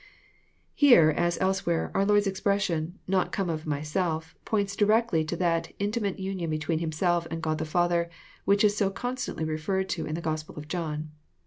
Here, as elsewhere, our Lord's expression, "not come of myself,'* points directly to that intimate union between Himself and God the Father, which is so constantly referred to in the Gospel of John.